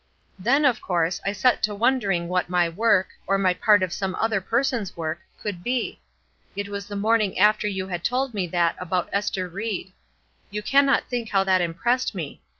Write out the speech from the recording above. Then, of course, I set to wondering what my work, or my part of some other person's work, could be. It was the morning after you had told me that about Ester Ried. You cannot think how that impressed me.